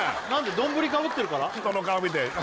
丼かぶってるから？